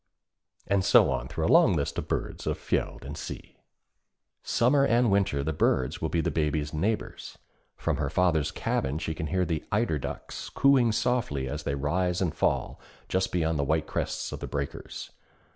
'_ and so on through a long list of the birds of fjeld and sea. Summer and winter the birds will be the Baby's neighbors. From her father's cabin she can hear the eider ducks cooing softly as they rise and fall just beyond the white crest of the breakers.